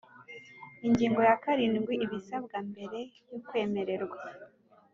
Ingingo ya karindwi Ibisabwa mbere yo kwemererwa